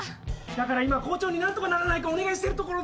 だから今校長に何とかならないかお願いしてるところで。